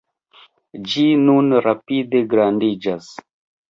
Ĝi nun rapide grandiĝas.